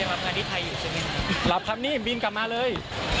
รับคำนี้บินกลับมาเลย